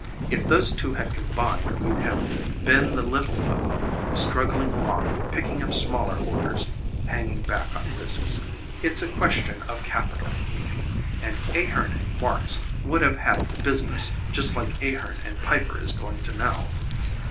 If those two had combined we'd have been the little fellow, struggling along, picking up smaller orders, hanging back on risks. It's a question of capital, Evie, and 'Ahearn and Marx' would have had the business just like 'Ahearn and Piper' is going to now."